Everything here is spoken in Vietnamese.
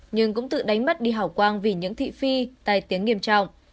nhưng cũng tự đánh mất đi hảo quang vì những thị phi tai tiếng nghiêm trọng